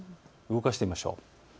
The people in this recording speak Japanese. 動かしてみましょう。